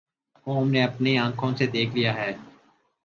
قوم نے اپنی آنکھوں سے دیکھ لیا ہے۔